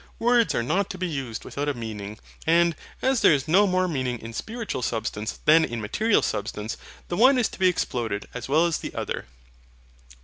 Words are not to be used without a meaning. And, as there is no more meaning in SPIRITUAL SUBSTANCE than in MATERIAL SUBSTANCE, the one is to be exploded as well as the other.